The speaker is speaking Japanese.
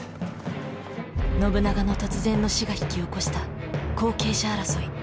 信長の突然の死が引き起こした後継者争い。